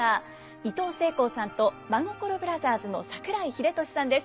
いとうせいこうさんと真心ブラザーズの桜井秀俊さんです。